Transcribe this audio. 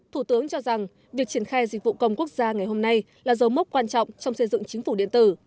thủ tướng cho rằng việc triển khai dịch vụ công quốc gia ngày hôm nay là dấu mốc quan trọng trong xây dựng chính phủ điện tử